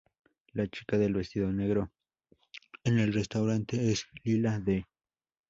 La chica del vestido negro en el restaurante es Lyla Dee.